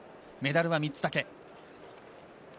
メダルは３つだけ。